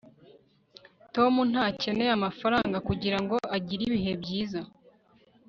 tom ntakeneye amafaranga kugirango agire ibihe byiza